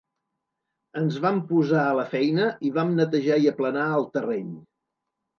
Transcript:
Ens vam posar a la feina i vam netejar i aplanar el terreny.